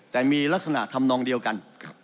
แต่มีลักษณะทำนองเดียวกัน